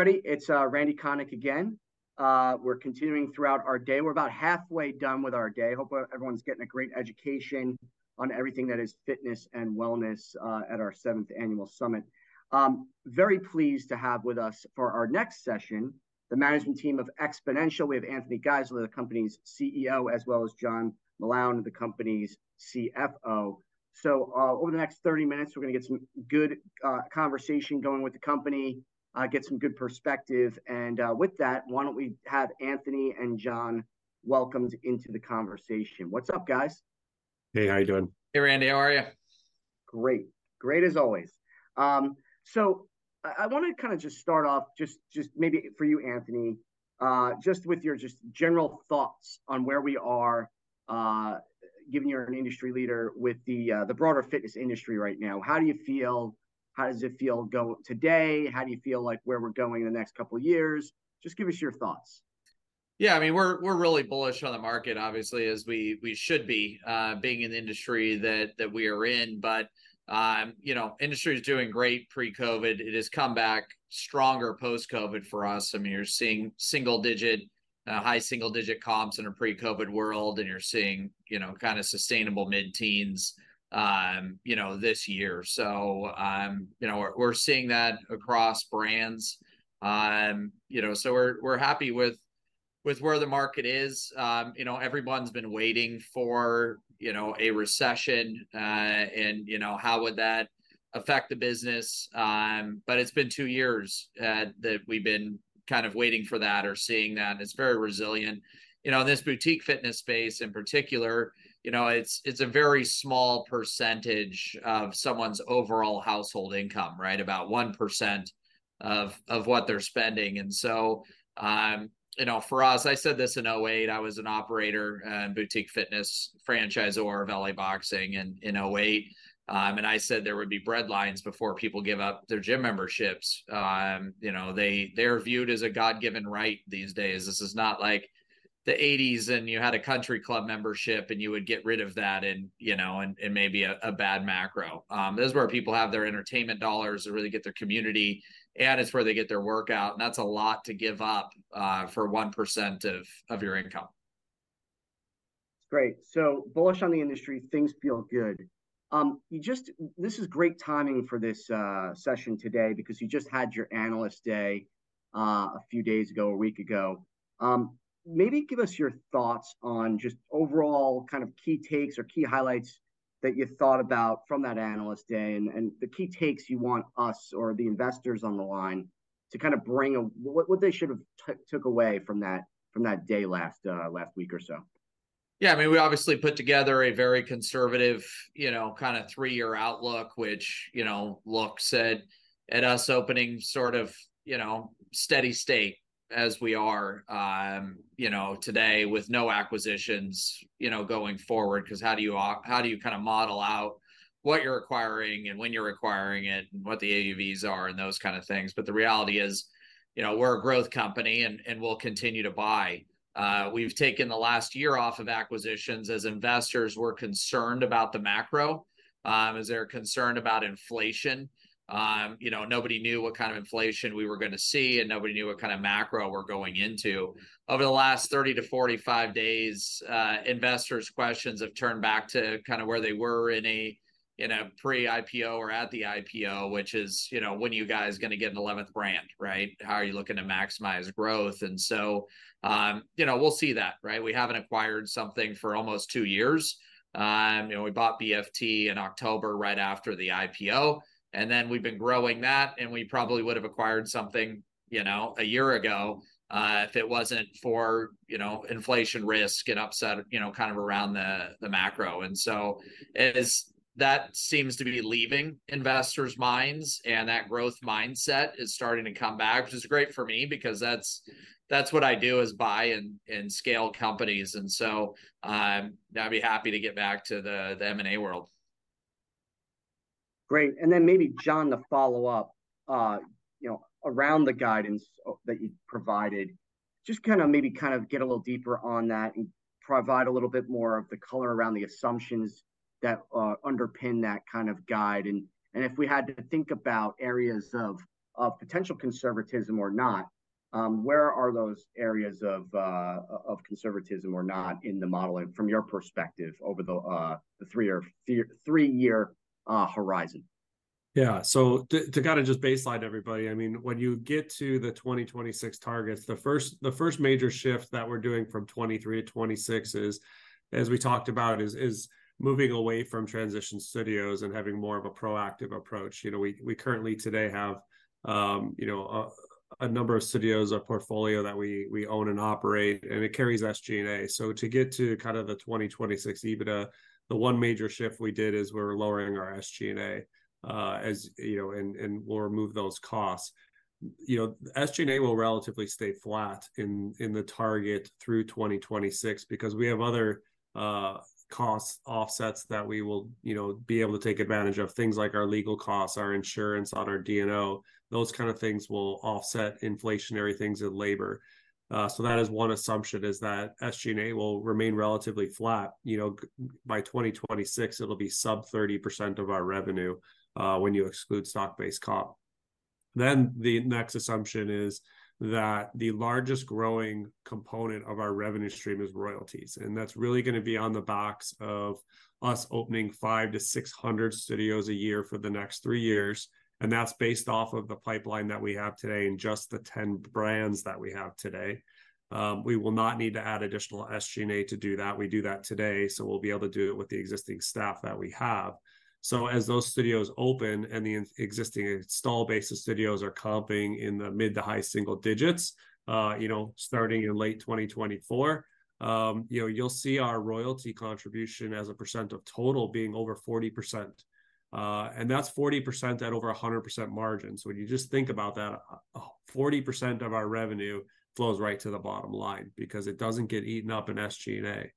Everybody, it's Randy Konik again. We're continuing throughout our day. We're about halfway done with our day. Hope everyone's getting a great education on everything that is fitness and wellness at our seventh annual summit. Very pleased to have with us for our next session, the management team of Xponential. We have Anthony Geisler, the company's CEO, as well as John Meloun, the company's CFO. So, over the next 30 minutes, we're gonna get some good conversation going with the company, get some good perspective, and with that, why don't we have Anthony and John welcomed into the conversation? What's up, guys? Hey, how you doing? Hey, Randy, how are you? Great. Great as always. So I want to kind of just start off, just, just maybe for you, Anthony, just with your just general thoughts on where we are, given you're an industry leader with the broader fitness industry right now. How do you feel? How does it feel today? How do you feel like where we're going in the next couple of years? Just give us your thoughts. Yeah, I mean, we're really bullish on the market, obviously, as we should be, being in the industry that we are in. But, you know, industry is doing great pre-COVID. It has come back stronger post-COVID for us. I mean, you're seeing single-digit, high single-digit comps in a pre-COVID world, and you're seeing, you know, kind of sustainable mid-teens, you know, this year. So, you know, we're seeing that across brands. You know, so we're happy with where the market is. You know, everyone's been waiting for, you know, a recession, and, you know, how would that affect the business? But it's been two years that we've been kind of waiting for that or seeing that, and it's very resilient. You know, this boutique fitness space in particular, you know, it's, it's a very small percentage of someone's overall household income, right? About 1% of what they're spending. And so, you know, for us, I said this in 2008, I was an operator in boutique fitness franchisor of LA Boxing in 2008. And I said there would be breadlines before people give up their gym memberships. You know, they, they're viewed as a God-given right these days. This is not like the 1980s, and you had a country club membership, and you would get rid of that and, you know, and it may be a bad macro. This is where people have their entertainment dollars and really get their community, and it's where they get their workout, and that's a lot to give up for 1% of your income. Great, so bullish on the industry, things feel good. This is great timing for this session today because you just had your Analyst Day a few days ago, a week ago. Maybe give us your thoughts on just overall kind of key takes or key highlights that you thought about from that Analyst Day, and the key takes you want us or the investors on the line to kind of bring, what they should have took away from that day, last week or so. Yeah, I mean, we obviously put together a very conservative, you know, kind of three-year outlook, which, you know, looks at, at us opening sort of, you know, steady state as we are, you know, today, with no acquisitions, you know, going forward. Because how do you kind of model out what you're acquiring and when you're acquiring it, and what the AUVs are, and those kind of things? But the reality is, you know, we're a growth company, and we'll continue to buy. We've taken the last year off of acquisitions as investors were concerned about the macro, as they're concerned about inflation. You know, nobody knew what kind of inflation we were gonna see, and nobody knew what kind of macro we're going into. Over the last 30-45 days, investors' questions have turned back to kind of where they were in a pre-IPO or at the IPO, which is, you know, "When are you guys gonna get an 11th brand, right? How are you looking to maximize growth?" And so, you know, we'll see that, right? We haven't acquired something for almost two years. You know, we bought BFT in October, right after the IPO, and then we've been growing that, and we probably would have acquired something, you know, one year ago, if it wasn't for, you know, inflation risk and upset, you know, kind of around the macro. And so as that seems to be leaving investors' minds, and that growth mindset is starting to come back, which is great for me, because that's what I do, is buy and scale companies. And so, I'd be happy to get back to the M&A world. Great. Then maybe, John, to follow up, you know, around the guidance that you provided, just kind of maybe kind of get a little deeper on that and provide a little bit more of the color around the assumptions that underpin that kind of guide. And if we had to think about areas of potential conservatism or not, where are those areas of conservatism or not in the model and from your perspective, over the three or the three-year horizon? Yeah. So to kind of just baseline everybody, I mean, when you get to the 2026 targets, the first major shift that we're doing from 2023-2026 is, as we talked about, moving away from transition studios and having more of a proactive approach. You know, we currently today have, you know, a number of studios, a portfolio that we own and operate, and it carries SG&A. So to get to kind of the 2026 EBITDA, the one major shift we did is we're lowering our SG&A, as you know, and we'll remove those costs. You know, SG&A will relatively stay flat in the target through 2026 because we have other cost offsets that we will, you know, be able to take advantage of. Things like our legal costs, our insurance on our D&O, those kind of things will offset inflationary things in labor. So that is one assumption, is that SG&A will remain relatively flat. You know, by 2026, it'll be sub-30% of our revenue, when you exclude stock-based comp. then the next assumption is that the largest growing component of our revenue stream is royalties, and that's really gonna be on the back of us opening 500-600 studios a year for the next three years, and that's based off of the pipeline that we have today and just the 10 brands that we have today. We will not need to add additional SG&A to do that. We do that today, so we'll be able to do it with the existing staff that we have. So as those studios open and the existing install base of studios are comping in the mid- to high-single digits, you know, starting in late 2024, you know, you'll see our royalty contribution as a percent of total being over 40%. And that's 40% at over 100% margin. So when you just think about that, 40% of our revenue flows right to the bottom line, because it doesn't get eaten up in SG&A.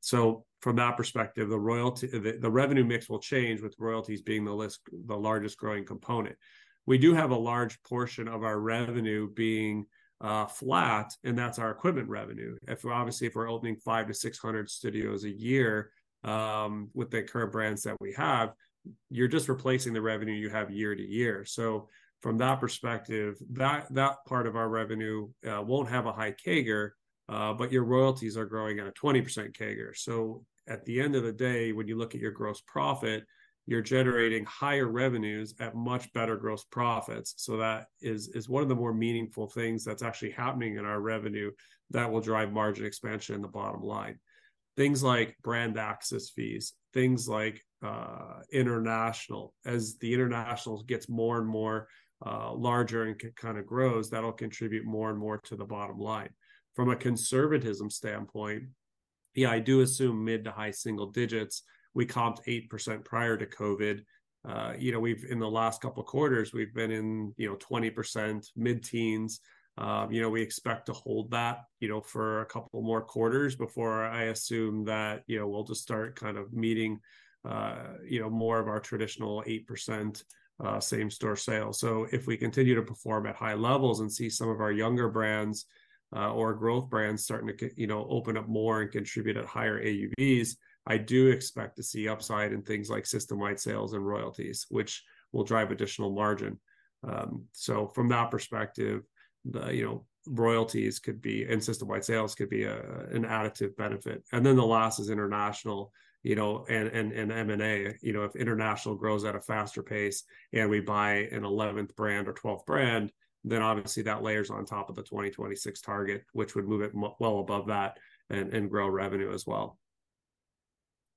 So from that perspective, the royalty, the revenue mix will change, with royalties being the largest growing component. We do have a large portion of our revenue being flat, and that's our equipment revenue. If obviously, if we're opening 500-600 studios a year, with the current brands that we have, you're just replacing the revenue you have year to year. So from that perspective, that part of our revenue won't have a high CAGR, but your royalties are growing at a 20% CAGR. So at the end of the day, when you look at your gross profit, you're generating higher revenues at much better gross profits. So that is one of the more meaningful things that's actually happening in our revenue that will drive margin expansion in the bottom line. Things like brand access fees, things like international. As the international gets more and more larger and kind of grows, that'll contribute more and more to the bottom line. From a conservatism standpoint, yeah, I do assume mid- to high-single digits. We comped 8% prior to COVID. You know, we've, in the last couple of quarters, we've been in, you know, 20%, mid-teens. You know, we expect to hold that, you know, for a couple more quarters before I assume that, you know, we'll just start kind of meeting, you know, more of our traditional 8% same-store sales. So if we continue to perform at high levels and see some of our younger brands or growth brands starting to you know, open up more and contribute at higher AUVs, I do expect to see upside in things like system-wide sales and royalties, which will drive additional margin. So from that perspective, the you know, royalties could be, and system-wide sales could be a, an additive benefit. And then the last is international, you know, and M&A. You know, if international grows at a faster pace and we buy an eleventh brand or twelfth brand, then obviously that layers on top of the 2026 target, which would move it well above that and grow revenue as well.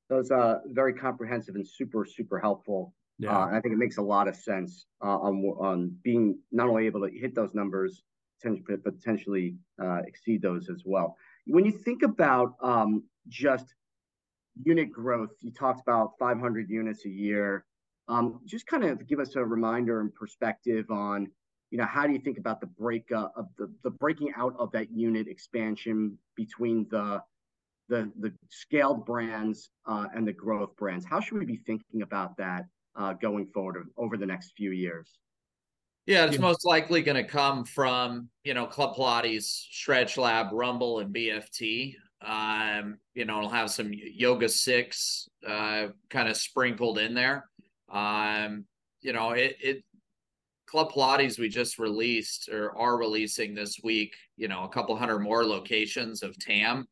That's very comprehensive and super, super helpful. Yeah. I think it makes a lot of sense, on, on being not only able to hit those numbers, potentially, exceed those as well. When you think about, just unit growth, you talked about 500 units a year. Just kind of give us a reminder and perspective on, you know, how do you think about the break up. the breaking out of that unit expansion between the scaled brands, and the growth brands? How should we be thinking about that, going forward over the next few years? Yeah, it's most likely gonna come from, you know, Club Pilates, StretchLab, Rumble, and BFT. You know, it'll have some YogaSix kind of sprinkled in there. You know, Club Pilates, we just released or are releasing this week, you know, 200 more locations of TAM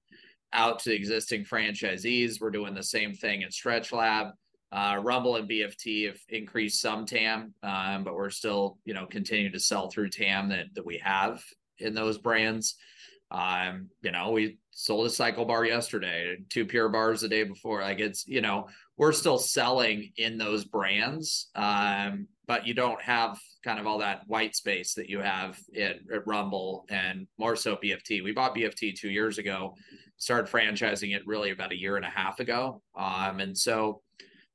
out to existing franchisees. We're doing the same thing at StretchLab. Rumble and BFT have increased some TAM, but we're still, you know, continuing to sell through TAM that we have in those brands. You know, we sold a CycleBar yesterday, two Pure Barre the day before. Like, it's, you know, we're still selling in those brands, but you don't have kind of all that white space that you have at Rumble and more so BFT. We bought BFT two years ago, started franchising it really about a year and a half ago. And so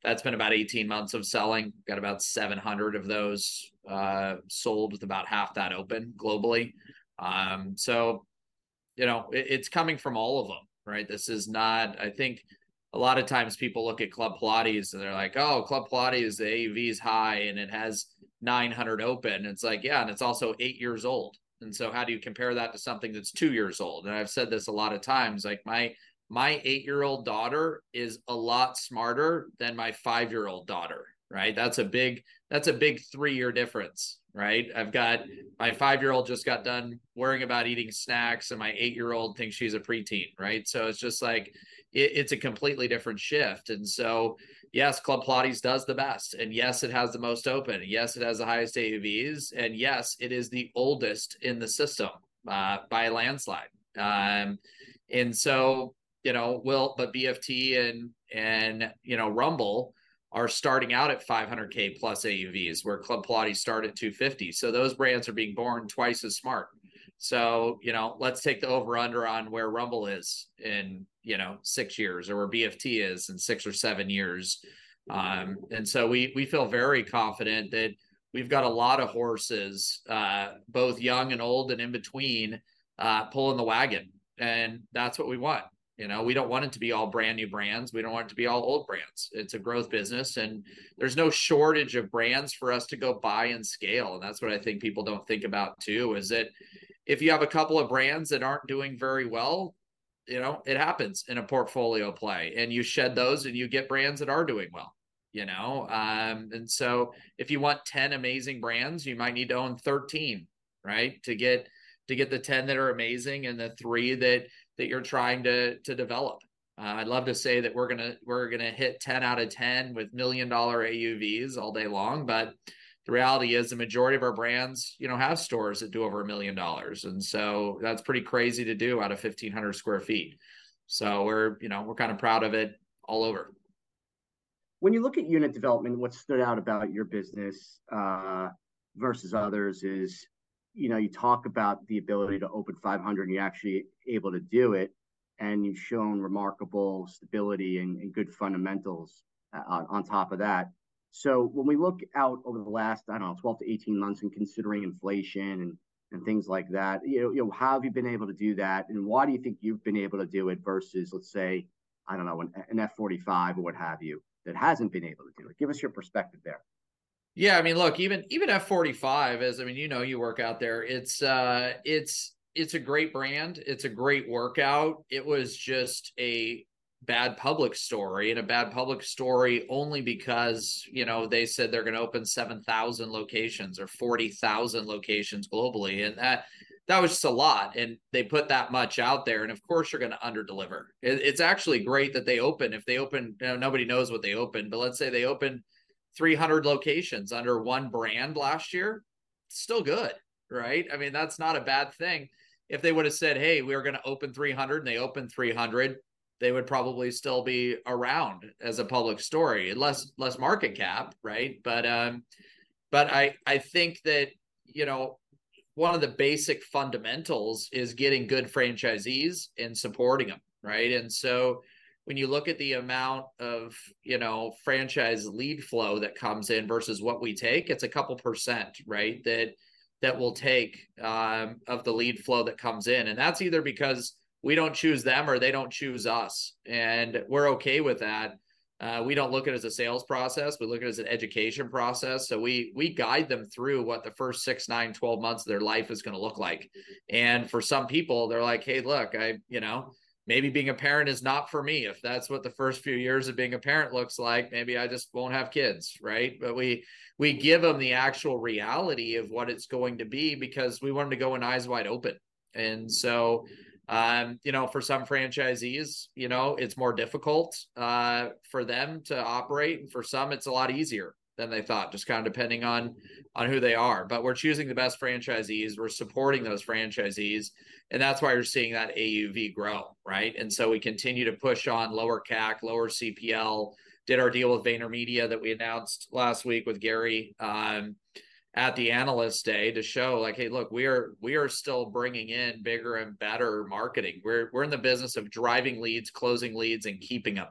that's been about 18 months of selling. Got about 700 of those, sold, with about half that open globally. So you know, it, it's coming from all of them, right? This is not, I think a lot of times people look at Club Pilates, and they're like: "Oh, Club Pilates, the AUV is high, and it has 900 open." It's like: Yeah, and it's also eight years old. And so how do you compare that to something that's two years old? And I've said this a lot of times: like, my, my eight-year-old daughter is a lot smarter than my five-year-old daughter, right? That's a big, that's a big three-year difference, right? I've got my five-year-old just got done worrying about eating snacks, and my eight-year-old thinks she's a preteen, right? So it's just like it's a completely different shift. Yes, Club Pilates does the best, and yes, it has the most open. Yes, it has the highest AUVs, and yes, it is the oldest in the system by a landslide. You know, well, but BFT and Rumble are starting out at $500k+ AUVs, where Club Pilates start at $250k. So those brands are being born twice as smart. You know, let's take the over-under on where Rumble is in 6 years or where BFT is in six or seven years. We feel very confident that we've got a lot of horses, both young and old, and in between, pulling the wagon, and that's what we want. You know, we don't want it to be all brand-new brands. We don't want it to be all old brands. It's a growth business, and there's no shortage of brands for us to go buy and scale. That's what I think people don't think about, too, is that if you have a couple of brands that aren't doing very well you know, it happens in a portfolio play, and you shed those, and you get brands that are doing well, you know? And so if you want 10 amazing brands, you might need to own 13, right? To get the 10 that are amazing and the three that you're trying to develop. I'd love to say that we're gonna hit 10 out of 10 with million-dollar AUVs all day long, but the reality is, the majority of our brands, you know, have stores that do over $1 million. And so that's pretty crazy to do out of 1,500 sq ft. So we're, you know, we're kind of proud of it all over. When you look at unit development, what stood out about your business versus others is, you know, you talk about the ability to open 500, and you're actually able to do it, and you've shown remarkable stability and good fundamentals on top of that. So when we look out over the last, I don't know, 12-18 months, and considering inflation and things like that, you know, how have you been able to do that, and why do you think you've been able to do it versus, let's say, I don't know, an F45, or what have you, that hasn't been able to do it? Give us your perspective there. Yeah, I mean, look, even F45 as, I mean, you know, you work out there, it's, it's a great brand. It's a great workout. It was just a bad public story, and a bad public story only because, you know, they said they're gonna open 7,000 locations or 40,000 locations globally, and that, that was just a lot, and they put that much out there, and of course you're gonna underdeliver. It's actually great that they open. If they open, now nobody knows what they opened, but let's say they opened 300 locations under one brand last year, still good, right? I mean, that's not a bad thing. If they would've said, "Hey, we're gonna open 300," and they opened 300, they would probably still be around as a public story. Less market cap, right? But I think that, you know, one of the basic fundamentals is getting good franchisees and supporting them, right? And so when you look at the amount of, you know, franchise lead flow that comes in versus what we take, it's a couple percentage, right? That we'll take of the lead flow that comes in, and that's either because we don't choose them, or they don't choose us, and we're okay with that. We don't look at it as a sales process, we look at it as an education process, so we guide them through what the first six, nine, 12 months of their life is gonna look like. And for some people, they're like: Hey, look, you know, maybe being a parent is not for me. If that's what the first few years of being a parent looks like, maybe I just won't have kids, right? But we give them the actual reality of what it's going to be because we want them to go in eyes wide open. And so, you know, for some franchisees, you know, it's more difficult for them to operate, and for some, it's a lot easier than they thought, just kind of depending on who they are. But we're choosing the best franchisees, we're supporting those franchisees, and that's why you're seeing that AUV grow, right? And so we continue to push on lower CAC, lower CPL. We did our deal with VaynerMedia that we announced last week with Gary at the Analyst Day to show, like, hey, look, we are still bringing in bigger and better marketing. We're in the business of driving leads, closing leads, and keeping them.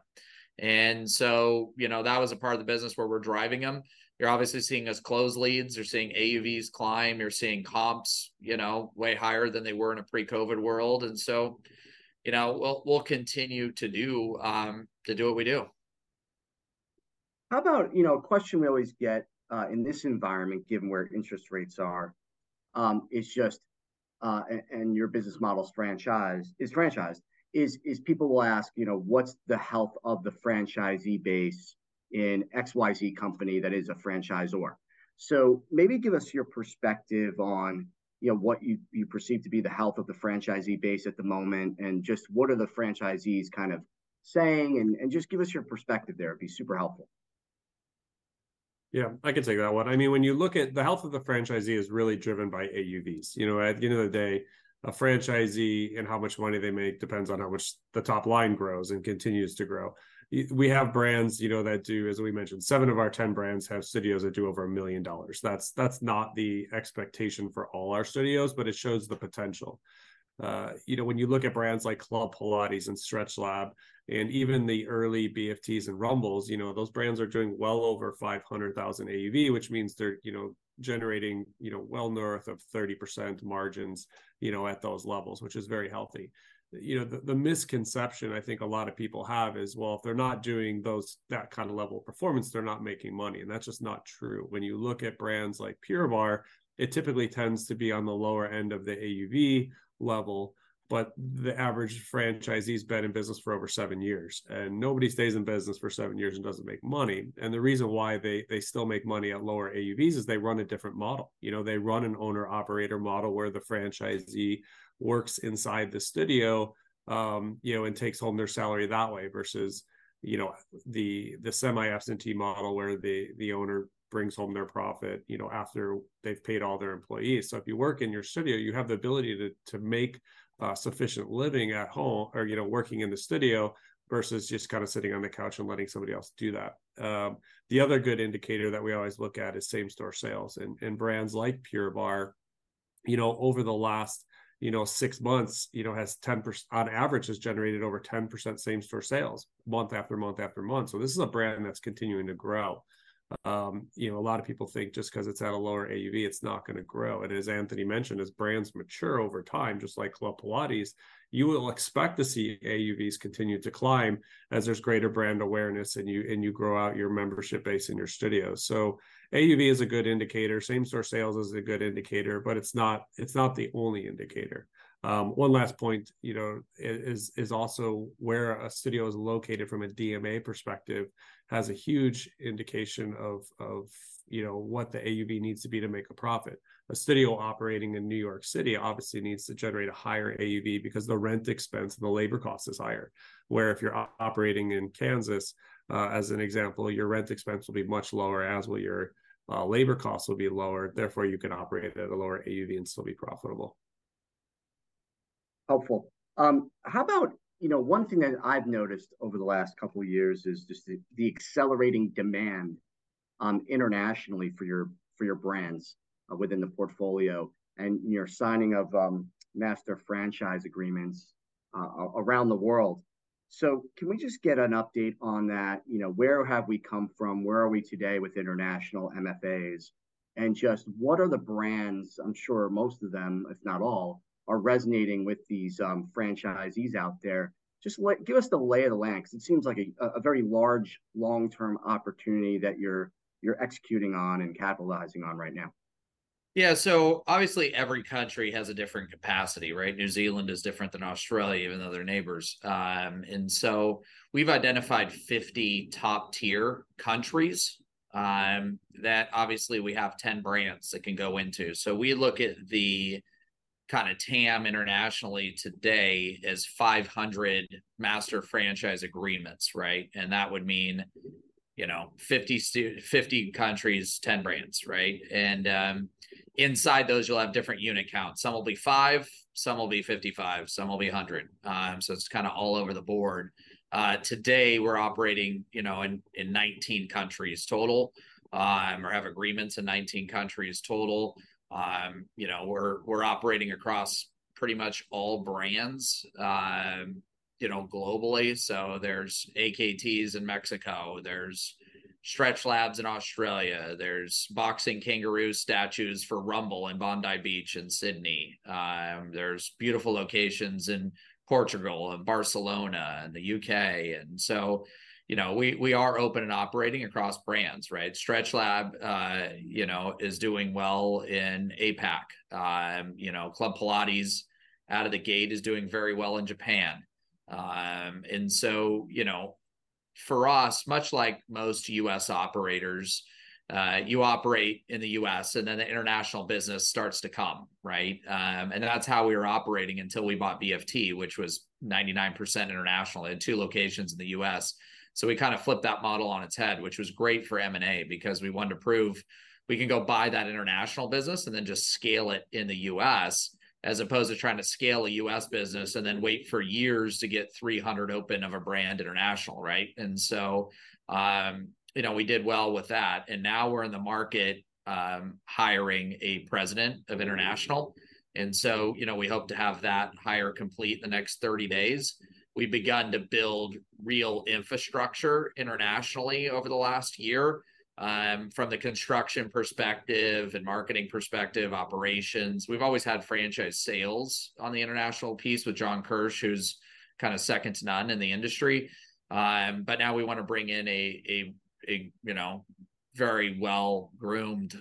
And so, you know, that was a part of the business where we're driving them. You're obviously seeing us close leads, you're seeing AUVs climb, you're seeing comps, you know, way higher than they were in a pre-COVID world, and so, you know, we'll continue to do what we do. How about you know, a question we always get in this environment, given where interest rates are, is just and your business model's franchised, people will ask, you know: What's the health of the franchisee base in XYZ company that is a franchisor? So maybe give us your perspective on, you know, what you perceive to be the health of the franchisee base at the moment, and just what are the franchisees kind of saying, and just give us your perspective there. It'd be super helpful. Yeah, I can take that one. I mean, when you look at the health of the franchisee is really driven by AUVs. You know, at the end of the day, a franchisee and how much money they make depends on how much the top line grows and continues to grow. We have brands, you know, that do, as we mentioned, seven of our 10 brands have studios that do over $1 million. That's, that's not the expectation for all our studios, but it shows the potential. You know, when you look at brands like Club Pilates and StretchLab, and even the early BFTs and Rumbles, you know, those brands are doing well over $500,000 AUV, which means they're, you know, generating, you know, well north of 30% margins, you know, at those levels, which is very healthy. You know, the misconception I think a lot of people have is, well, if they're not doing that kind of level of performance, they're not making money, and that's just not true. When you look at brands like Pure Barre, it typically tends to be on the lower end of the AUV level, but the average franchisee's been in business for over seven years, and nobody stays in business for seven years and doesn't make money. And the reason why they still make money at lower AUVs is they run a different model. You know, they run an owner-operator model, where the franchisee works inside the studio, you know, and takes home their salary that way versus, you know, the semi-absentee model, where the owner brings home their profit, you know, after they've paid all their employees. So if you work in your studio, you have the ability to make sufficient living at home or, you know, working in the studio, versus just kind of sitting on the couch and letting somebody else do that. The other good indicator that we always look at is same-store sales, and brands like Pure Barre, you know, over the last, you know, six months, you know, has, on average, generated over 10% same-store sales month after month after month, so this is a brand that's continuing to grow. You know, a lot of people think just 'cause it's at a lower AUV, it's not gonna grow. And as Anthony mentioned, as brands mature over time, just like Club Pilates, you will expect to see AUVs continue to climb as there's greater brand awareness, and you, and you grow out your membership base in your studio. So AUV is a good indicator. Same-store sales is a good indicator, but it's not, it's not the only indicator. One last point, you know, is also where a studio is located from a DMA perspective, has a huge indication of, you know, what the AUV needs to be to make a profit. A studio operating in New York City obviously needs to generate a higher AUV because the rent expense and the labor cost is higher. Where if you're operating in Kansas, as an example, your rent expense will be much lower, as will your labor costs, therefore, you can operate at a lower AUV and still be profitable. Helpful. How about, you know, one thing that I've noticed over the last couple of years is just the, the accelerating demand, internationally for your, for your brands, within the portfolio and your signing of, master franchise agreements around the world. So can we just get an update on that? You know, where have we come from? Where are we today with international MFAs? And just what are the brands, I'm sure most of them, if not all, are resonating with these, franchisees out there. Just like, give us the lay of the land, 'cause it seems like a very large, long-term opportunity that you're, you're executing on and capitalizing on right now. Yeah. So obviously, every country has a different capacity, right? New Zealand is different than Australia, even though they're neighbors. And so we've identified 50 top-tier countries that obviously we have 10 brands that can go into. So we look at the kind of TAM internationally today as 500 master franchise agreements, right? And that would mean, you know, 50 countries, 10 brands, right? And inside those, you'll have different unit counts. Some will be five, some will be 55, some will be 100. So it's kind of all over the board. Today, we're operating, you know, in 19 countries total or have agreements in 19 countries total. You know, we're operating across pretty much all brands, you know, globally. So there's AKTs in Mexico, there's StretchLab in Australia, there's Boxing Kangaroo statues for Rumble in Bondi Beach in Sydney. There's beautiful locations in Portugal and Barcelona and the U.K., and so, you know, we, we are open and operating across brands, right? StretchLab, you know, is doing well in APAC. You know, Club Pilates, out of the gate, is doing very well in Japan. And so, you know, for us, much like most U.S. operators, you operate in the U.S., and then the international business starts to come, right? And that's how we were operating until we bought BFT, which was 99% international and two locations in the U.S. So we kind of flipped that model on its head, which was great for M&A because we wanted to prove we can go buy that international business and then just scale it in the U.S., as opposed to trying to scale a U.S. business and then wait for years to get 300 open of a brand international, right? You know, we did well with that, and now we're in the market hiring a president of international. You know, we hope to have that hire complete in the next 30 days. We've begun to build real infrastructure internationally over the last year from the construction perspective and marketing perspective, operations. We've always had franchise sales on the international piece with John Kersh, who's kind of second to none in the industry. But now we want to bring in a, you know, very well-groomed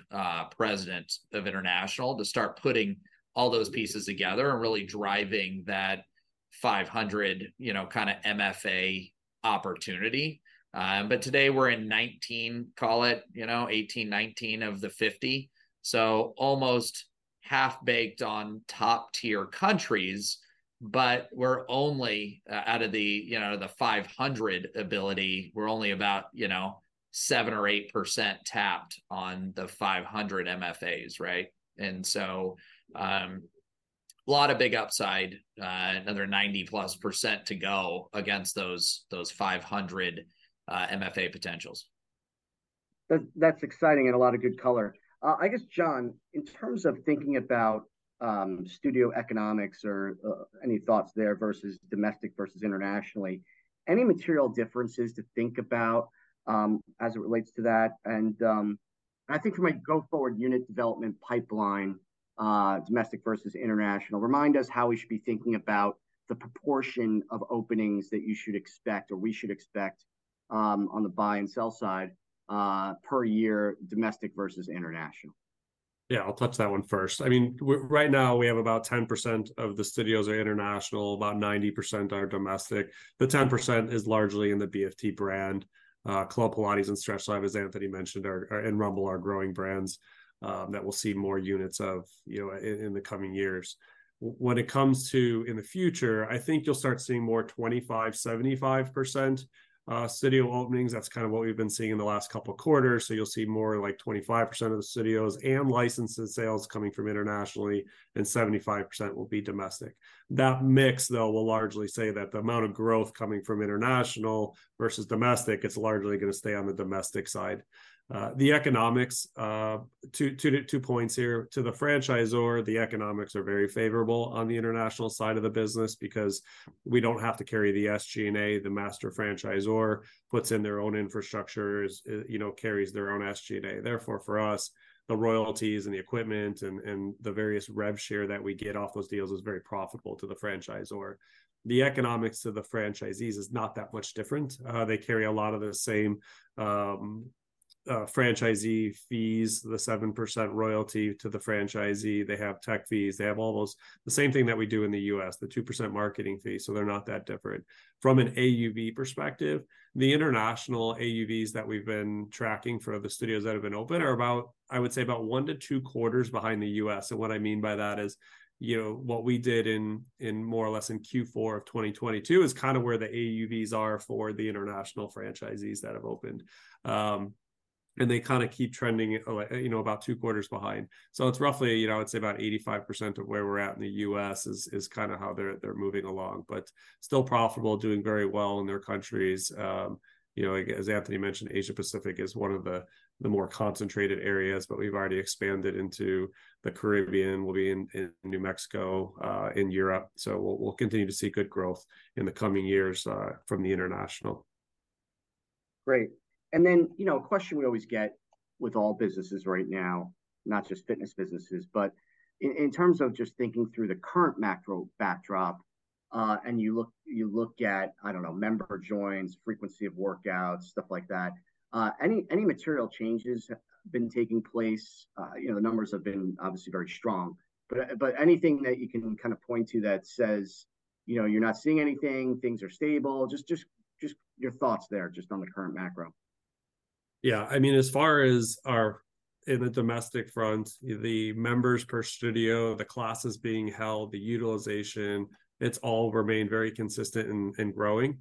President of International to start putting all those pieces together and really driving that 500, you know, kind of MFA opportunity. But today, we're in 19, call it, you know, 18, 19 of the 50, so almost half-baked on top-tier countries. But we're only out of the, you know, the 500 ability, we're only about, you know, 7% or 8% tapped on the 500 MFAs, right? And so, a lot of big upside, another 90+% to go against those, those 500, MFA potentials. That's, that's exciting and a lot of good color. I guess, John, in terms of thinking about, studio economics or, any thoughts there versus domestic versus internationally, any material differences to think about, as it relates to that? And, I think from a go-forward unit development pipeline, domestic versus international, remind us how we should be thinking about the proportion of openings that you should expect or we should expect, on the buy and sell side, per year, domestic versus international. Yeah, I'll touch that one first. I mean, right now, we have about 10% of the studios are international, about 90% are domestic. The 10% is largely in the BFT brand. Club Pilates and StretchLab, as Anthony mentioned, are and Rumble are growing brands, that we'll see more units of, you know, in the coming years. When it comes to in the future, I think you'll start seeing more 25%, 75% studio openings. That's kind of what we've been seeing in the last couple of quarters. So you'll see more like 25% of the studios and licenses sales coming from internationally, and 75% will be domestic. That mix, though, will largely say that the amount of growth coming from international versus domestic, it's largely gonna stay on the domestic side. The economics, two points here. To the franchisor, the economics are very favorable on the international side of the business because we don't have to carry the SG&A. The master franchisor puts in their own infrastructures, you know, carries their own SG&A. Therefore, for us, the royalties and the equipment and the various rev share that we get off those deals is very profitable to the franchisor. The economics of the franchisees is not that much different. They carry a lot of the same franchisee fees, the 7% royalty to the franchisee. They have tech fees, they have all those, the same thing that we do in the U.S., the 2% marketing fee, so they're not that different. From an AUV perspective, the international AUVs that we've been tracking for the studios that have been open are about, I would say, about 1-2 quarters behind the U.S. And what I mean by that is, you know, what we did in more or less Q4 of 2022 is kind of where the AUVs are for the international franchisees that have opened. And they kind of keep trending, you know, about two quarters behind. So it's roughly, you know, I'd say about 85% of where we're at in the U.S. is kind of how they're moving along, but still profitable, doing very well in their countries. You know, like as Anthony mentioned, Asia Pacific is one of the more concentrated areas, but we've already expanded into the Caribbean, we'll be in Mexico, in Europe. So we'll continue to see good growth in the coming years from the international. Great! And then, you know, a question we always get with all businesses right now, not just fitness businesses, but in terms of just thinking through the current macro backdrop, and you look at, I don't know, member joins, frequency of workouts, stuff like that, any material changes have been taking place? You know, the numbers have been obviously very strong, but anything that you can kind of point to that says, you know, you're not seeing anything, things are stable? Just your thoughts there, just on the current macro. Yeah. I mean, as far as our in the domestic front, the members per studio, the classes being held, the utilization, it's all remained very consistent and growing.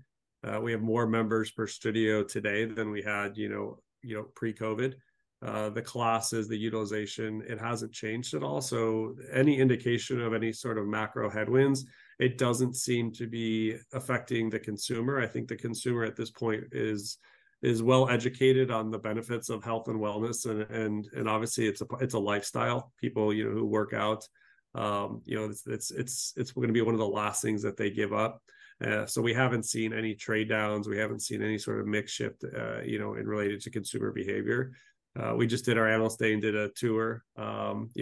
We have more members per studio today than we had, you know, pre-COVID. The classes, the utilization, it hasn't changed at all. So any indication of any sort of macro headwinds, it doesn't seem to be affecting the consumer. I think the consumer at this point is well educated on the benefits of health and wellness. And obviously, it's a lifestyle. People, you know, who work out, you know, it's gonna be one of the last things that they give up. So we haven't seen any trade downs, we haven't seen any sort of mix shift, you know, in related to consumer behavior. We just did our Analyst Day and did a tour, you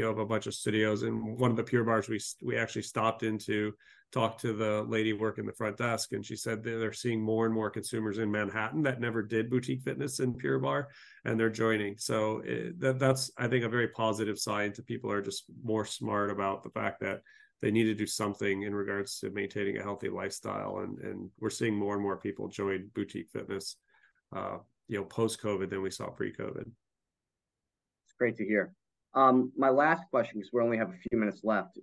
know, of a bunch of studios. In one of the Pure Barre, we actually stopped in to talk to the lady working the front desk, and she said that they're seeing more and more consumers in Manhattan that never did boutique fitness in Pure Barre, and they're joining. So, that, that's, I think, a very positive sign that people are just more smart about the fact that they need to do something in regards to maintaining a healthy lifestyle. And, and we're seeing more and more people join boutique fitness, you know, post-COVID than we saw pre-COVID. It's great to hear. My last question, because we only have a few minutes left,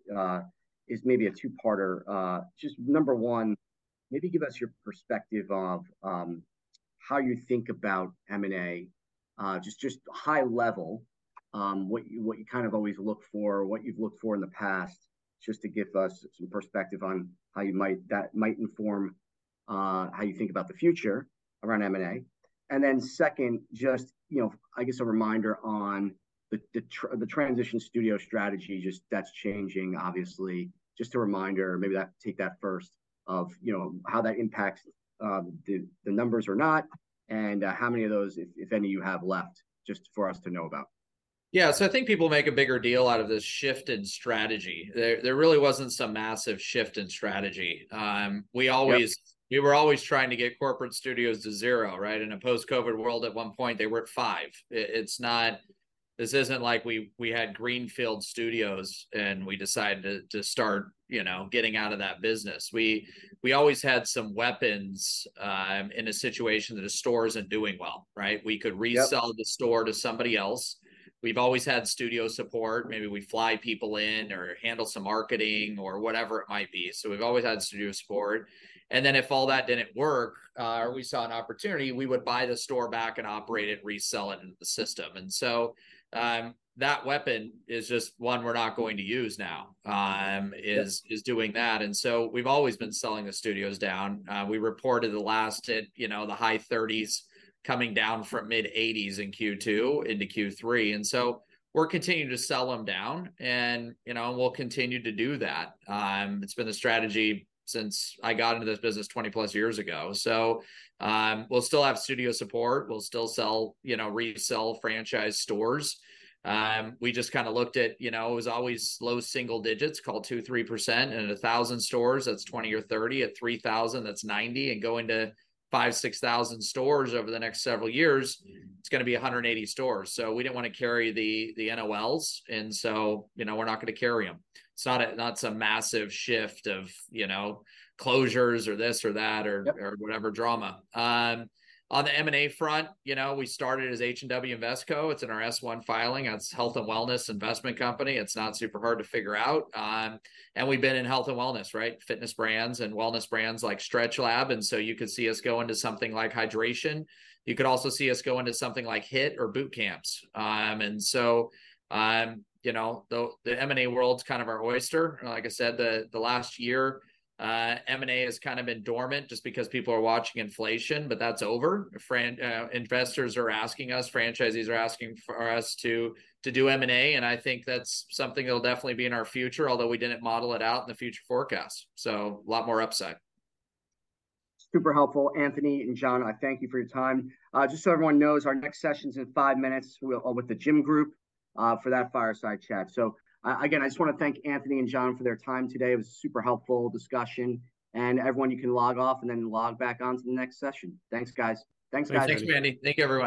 is maybe a two-parter. Just number one, maybe give us your perspective of how you think about M&A. Just high level, what you kind of always look for, what you've looked for in the past, just to give us some perspective on how you might. that might inform how you think about the future around M&A. And then second, just, you know, I guess a reminder on the transition studio strategy, just that's changing, obviously. Just a reminder, maybe take that first, of, you know, how that impacts the numbers or not, and how many of those, if any, you have left, just for us to know about. Yeah. So I think people make a bigger deal out of this shift in strategy. There really wasn't some massive shift in strategy. We always- Yep. We were always trying to get corporate studios to zero, right? In a post-COVID world, at one point, they were at five. It's not like we had greenfield studios, and we decided to start, you know, getting out of that business. We always had some weapons in a situation that a store isn't doing well, right? Yep. We could resell the store to somebody else. We've always had studio support. Maybe we fly people in or handle some marketing or whatever it might be. So we've always had studio support. And then if all that didn't work, or we saw an opportunity, we would buy the store back and operate it, resell it into the system. And so, that weapon is just one we're not going to use now is doing that. We've always been selling the studios down. We reported the last at, you know, the high 30s, coming down from mid-80s in Q2 into Q3. We're continuing to sell them down, and, you know, we'll continue to do that. It's been the strategy since I got into this business 20+ years ago. We'll still have studio support. We'll still sell, you know, resell franchise stores. We just kind of looked at, you know, it was always low single digits, call it 2%-3%. In 1,000 stores, that's 20 or 30. At 3,000, that's 90. Going to 5,000-6,000 stores over the next several years, it's gonna be 180 stores. We didn't want to carry the NOLs, and so, you know, we're not gonna carry them. It's not some massive shift of, you know, closures or this or that or, or whatever drama. On the M&A front, you know, we started as H&W InvestCo. It's in our S-1 filing. That's Health and Wellness Investment Company. It's not super hard to figure out. And we've been in health and wellness, right? Fitness brands and wellness brands like StretchLab, and so you could see us go into something like hydration. You could also see us go into something like HIIT or boot camps. And so, you know, the M&A world's kind of our oyster. And like I said, the last year, M&A has kind of been dormant just because people are watching inflation, but that's over. Franchise investors are asking us, franchisees are asking us to do M&A, and I think that's something that'll definitely be in our future, although we didn't model it out in the future forecast.A lot more upside. Super helpful. Anthony and John, I thank you for your time. Just so everyone knows, our next session's in five minutes. We're with The Gym Group for that fireside chat. So, again, I just want to thank Anthony and John for their time today. It was a super helpful discussion. And everyone, you can log off and then log back on to the next session. Thanks, guys. Thanks, guys. Thanks, Randy. Thank you, everyone.